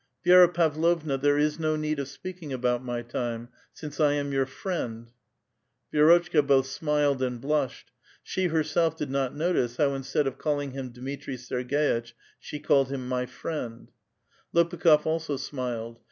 ''" Vit'ra l\avl()vna, there is no need of speaking about mj" tinu», since 1 am your fn'eml, \'ierotelika botii smiled and blushed. She herself did not notiec ln>w instead of calling him Dmitri Serg^itch, she called him '* in f/ friend,*' Lopukh6f also smiled.